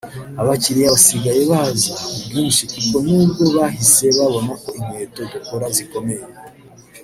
abakiliya basigaye baza ku bwinshi kuko nibwo bahise babona ko inkweto dukora zikomeye